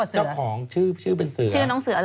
เจ้าของชื่อเป็นเสือ